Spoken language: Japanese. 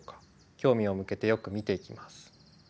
興味を向けてよく見ていきます。